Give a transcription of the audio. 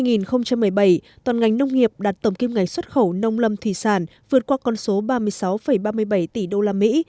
năm hai nghìn một mươi bảy toàn ngành nông nghiệp đạt tổng kim ngạch xuất khẩu nông lâm thủy sản vượt qua con số ba mươi sáu ba mươi bảy tỷ đô la mỹ